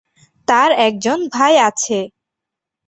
তার একজন ভাই আছে।